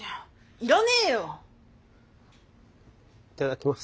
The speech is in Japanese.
いただきます。